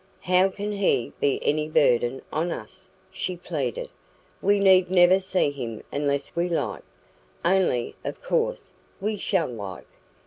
"How can he be any burden on us?" she pleaded. "We need never see him unless we like only, of course, we shall like.